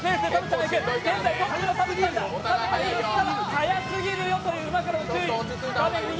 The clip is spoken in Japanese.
「はやすぎるよ」との馬からの注意。